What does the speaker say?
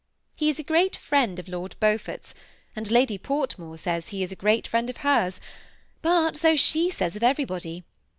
He is a great friend of Lord Beaufort's ; and Lady Portmore says he is a great friend of hers, but so she says of everybody.